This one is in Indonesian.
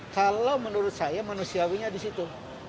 kalau menurut saya manusiawinya di situ